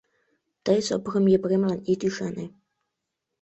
Тый Сопром Епремлан ит ӱшане.